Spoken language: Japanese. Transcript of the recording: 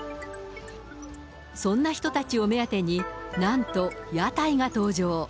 そんな人たちを目当てに、なんと屋台が登場。